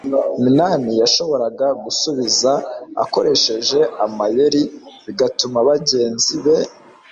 minani yashoboraga gusubiza akoresheje amayeri bigatuma bagenzi be